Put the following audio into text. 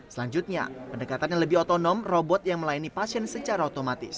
selanjutnya pendekatan yang lebih otonom robot yang melayani pasien secara otomatis